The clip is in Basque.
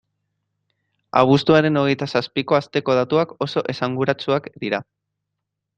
Abuztuaren hogeita zazpiko asteko datuak oso esanguratsuak dira.